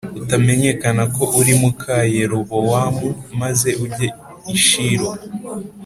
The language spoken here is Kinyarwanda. utamenyekana ko uri muka Yerobowamu maze ujye i Shilo